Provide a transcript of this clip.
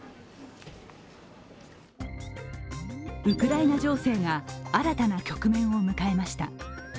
ウクライナ情勢が新たな局面を迎えました。